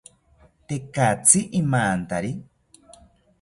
Tekatzi imantari